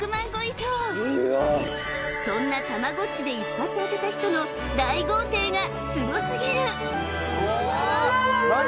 ［そんなたまごっちで一発当てた人の大豪邸がすご過ぎる！］